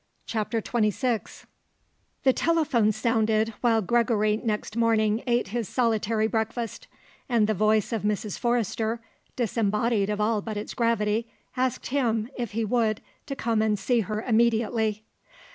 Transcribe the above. CHAPTER XXVI The telephone sounded while Gregory next morning ate his solitary breakfast, and the voice of Mrs. Forrester, disembodied of all but its gravity, asked him, if he would, to come and see her immediately.